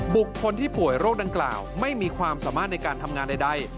บุคคลที่ป่วยโรคดังกล่าวไม่มีความสามารถในการทำงานใด